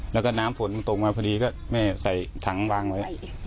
แล้วก็น้ำฝนมันตกมาพอดีก็แม่ใส่ถังวางไว้